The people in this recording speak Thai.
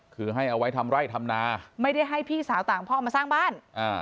คือให้เอาไว้ทำไร่ทำนาไม่ได้ให้พี่สาวต่างพ่อมาสร้างบ้าน